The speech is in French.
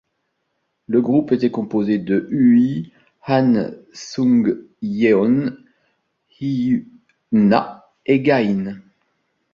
Le groupe était composé de Uee, Han Seung-yeon, Hyuna et Ga-in.